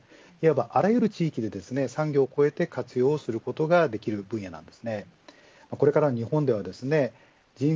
あらゆる地域で産業を越えて活用することができる分野です。